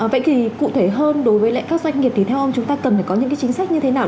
vậy thì cụ thể hơn đối với lại các doanh nghiệp thì theo ông chúng ta cần phải có những cái chính sách như thế nào